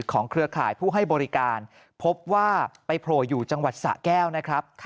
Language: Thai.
เครือข่ายผู้ให้บริการพบว่าไปโผล่อยู่จังหวัดสะแก้วนะครับ